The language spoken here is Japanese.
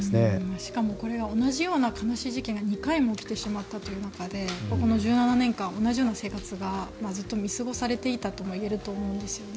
しかも、これ同じような悲しい事件が２回も起きてしまったということでこの１７年間同じような生活が見過ごされていたともいえると思うんですよね。